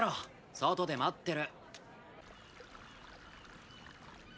外で待ってる。